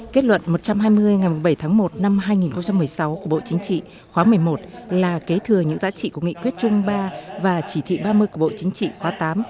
kết luận một trăm hai mươi ngày bảy tháng một năm hai nghìn một mươi sáu của bộ chính trị khóa một mươi một là kế thừa những giá trị của nghị quyết trung ba và chỉ thị ba mươi của bộ chính trị khóa tám